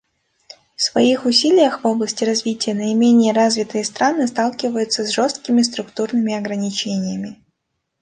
В своих усилиях в области развития наименее развитые страны сталкиваются с жесткими структурными ограничениями.